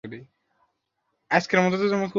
তিন্নি তার ছবি এগিয়ে দিল।